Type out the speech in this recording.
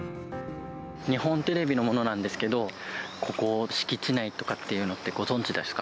日本テレビの者なんですけど、ここ、敷地内とかっていうのご存じですか？